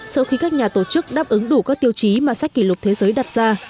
sau khi các nhà tổ chức đáp ứng đủ các tiêu chí mà sách kỷ lục thế giới đặt ra